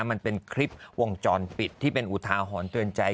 มันเป็นคลิปวงจรปิดที่เป็นอุทาหรณ์เตือนใจ